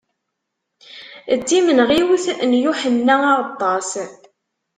D timenɣiwt n Yuḥenna Aɣeṭṭas.